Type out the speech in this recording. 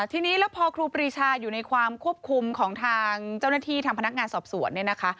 ทีนี้แล้วพอครูปรีชาอยู่ในความควบคุมของทางเจ้าหน้าที่ทางพนักงานสอบสวนเนี่ยนะคะ